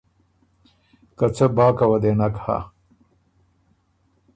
ګه څه باکه وه دې نک هۀ۔